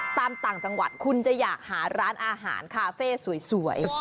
ต่างจังหวัดคุณจะอยากหาร้านอาหารคาเฟ่สวย